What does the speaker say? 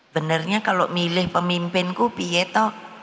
benarnya kalau milih pemimpinku pieto